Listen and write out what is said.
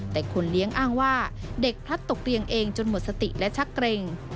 แต่คนเลี้ยงอ้างว่าเด็กพลัดตกเตียงเองจนหมดสติและชักเกร็ง